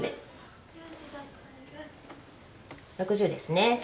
６０ですね。